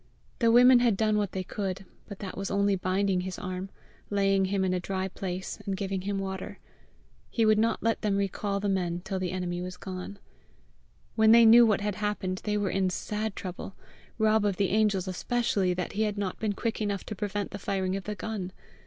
The women had done what they could, but that was only binding his arm, laying him in a dry place, and giving him water. He would not let them recall the men till the enemy was gone. When they knew what had happened they were in sad trouble Rob of the Angels especially that he had not been quick enough to prevent the firing of the gun.